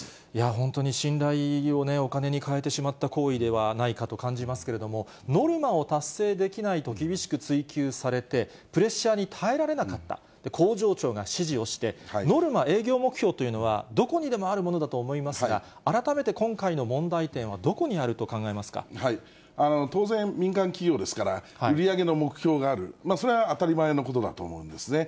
本当に信頼をお金にかえてしまった行為ではないかと感じますけれども、ノルマを達成できないと厳しく追及されて、プレッシャーに耐えられなかった、工場長が指示をして、ノルマ、営業目標というのは、どこにでもあるものだと思いますが、改めて今回の問題点はどこに当然、民間企業ですから、売り上げの目標がある、それは当たり前のことだと思うんですね。